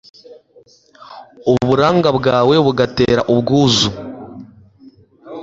uburanga bwawe bugatera ubwuzu